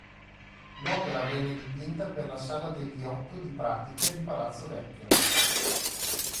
L'opera venne dipinta per la sala degli Otto di Pratica di Palazzo Vecchio.